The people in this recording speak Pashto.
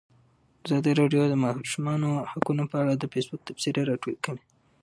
ازادي راډیو د د ماشومانو حقونه په اړه د فیسبوک تبصرې راټولې کړي.